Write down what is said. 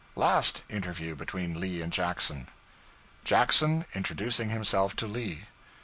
Last Interview between Lee and Jackson. Jackson Introducing Himself to Lee.